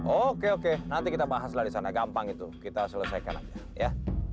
oke oke nanti kita bahaslah di sana gampang itu kita selesaikan aja ya